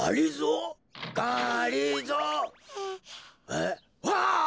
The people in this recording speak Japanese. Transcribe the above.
うわ！